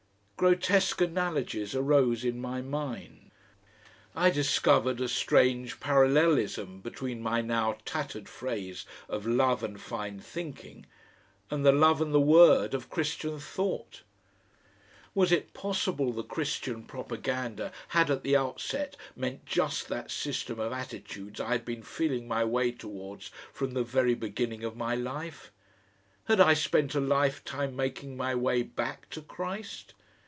Grotesque analogies arose in my mind. I discovered a strange parallelism between my now tattered phrase of "Love and fine thinking" and the "Love and the Word" of Christian thought. Was it possible the Christian propaganda had at the outset meant just that system of attitudes I had been feeling my way towards from the very beginning of my life? Had I spent a lifetime making my way back to Christ?